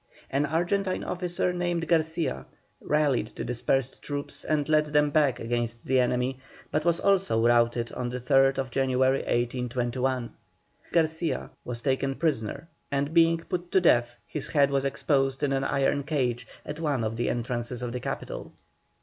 An Argentine officer named Garcia rallied the dispersed troops and led them back against the enemy, but was also routed on the 3rd January, 1821. Garcia was taken prisoner, and being put to death, his head was exposed in an iron cage at one of the entrances of the capital.